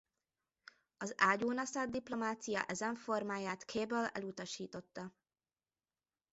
Az ágyúnaszád-diplomácia ezen formáját Cable elutasította.